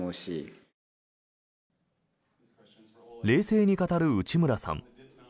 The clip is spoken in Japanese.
冷静に語る内村さん。